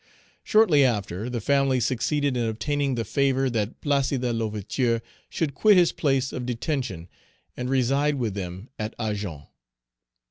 Shortly after, the family succeeded in obtaining the favor that Placide L'Ouverture should quit his place of detention and reside with them at Agen.